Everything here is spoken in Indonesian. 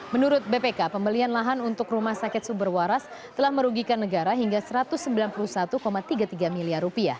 menurut bpk pembelian lahan untuk rumah sakit sumber waras telah merugikan negara hingga rp satu ratus sembilan puluh satu tiga puluh tiga miliar